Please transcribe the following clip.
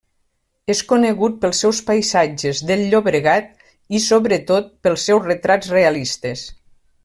És conegut pels seus paisatges del Llobregat i, sobretot, pels seus retrats realistes.